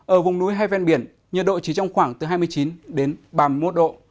ở vùng núi hay ven biển nhiệt độ chỉ trong khoảng từ hai mươi chín đến ba mươi một độ